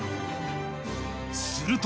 すると。